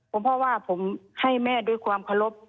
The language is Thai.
เพราะว่าผมให้แม่ด้วยความเคารพ